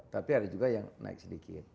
tapi ada juga yang naik sedikit